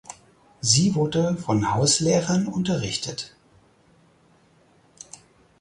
Sie wurde von Hauslehrern unterrichtet.